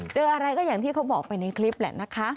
เจออะไรก็อย่างที่เขาบอกไปในคลิปไปเค้า